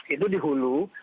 itu di hulu